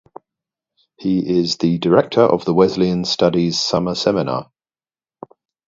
He is the Director of the Wesleyan Studies Summer Seminar.